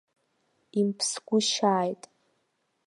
Имԥсгәышьааит.